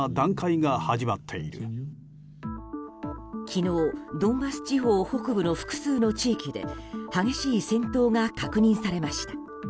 昨日、ドンバス地方北部の複数の地域で激しい戦闘が確認されました。